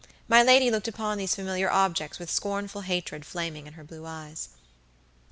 My lady looked upon these familiar objects with scornful hatred flaming in her blue eyes.